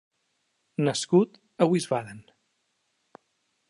Nascut a Wiesbaden.